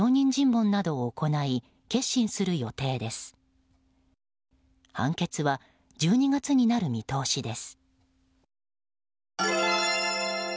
判決は１２月になる見通しです。